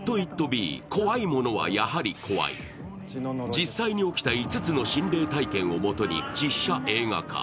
実際に起きた５つの心霊体験をもとに実写映画化。